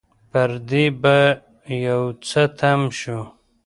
پر دې به يو څه تم شو.